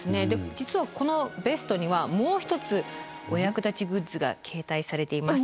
実はこのベストにはもう一つお役立ちグッズが携帯されています。